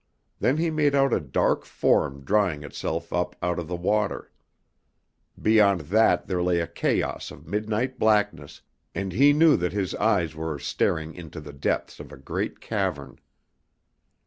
Then he made out a dark form drawing itself up out of the water. Beyond that there lay a chaos of midnight blackness, and he knew that his eyes were staring into the depths of a great cavern!